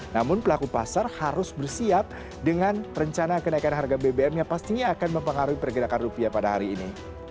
namun pelaku pasar harus bersiap dengan rencana kenaikan harga bbm yang pastinya akan mempengaruhi pergerakan rupiah pada hari ini